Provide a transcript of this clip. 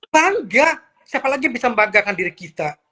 bangga siapa lagi yang bisa membanggakan diri kita